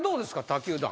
他球団。